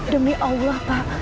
demi allah pak